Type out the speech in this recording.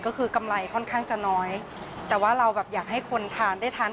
ก็คือกำไรค่อนข้างจะน้อยแต่ว่าเราแบบอยากให้คนทานได้ทาน